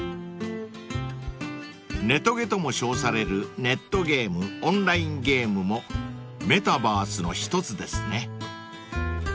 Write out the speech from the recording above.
［ネトゲとも称されるネットゲームオンラインゲームもメタバースの一つですね］